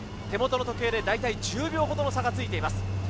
手元の時計で大体１０秒ほどの差がついています。